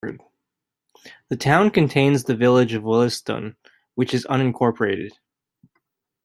The town contains the village of Williston, which is unincorporated.